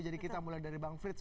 jadi kita mulai dari bang frits